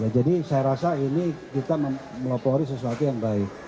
jadi saya rasa ini kita melopori sesuatu yang baik